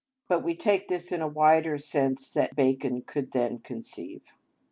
But we take this in a wider sense than Bacon could then conceive.